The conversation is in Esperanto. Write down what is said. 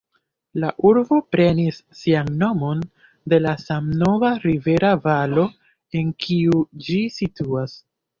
La urbo prenis sian nomon de la samnoma rivera valo, en kiu ĝi situas.